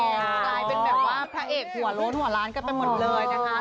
กลายเป็นแบบว่าพระเอกหัวโล้นหัวล้านกันไปหมดเลยนะคะ